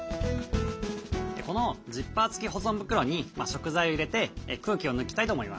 このジッパー付き保存袋に食材を入れて空気を抜きたいと思います。